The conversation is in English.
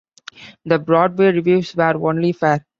The Broadway reviews were only fair.